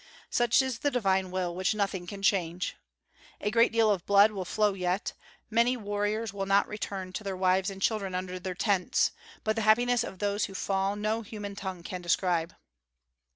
Such is the divine will which nothing can change. A great deal of blood will flow yet; many warriors will not return to their wives and children under their tents, but the happiness of those who fall no human tongue can describe.